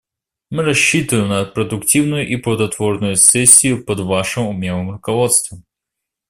Мы рассчитываем на продуктивную и плодотворную сессию под Вашим умелым руководством.